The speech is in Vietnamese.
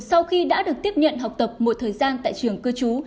sau khi đã được tiếp nhận học tập một thời gian tại trường cư trú